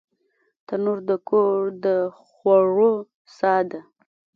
تنور د کور د خوړو ساه ده